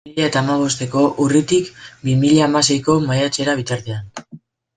Bi mila eta hamabosteko urritik bi mila hamaseiko maiatzera bitartean.